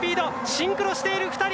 シンクロしている２人。